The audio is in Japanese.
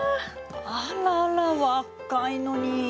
あらら若いのに。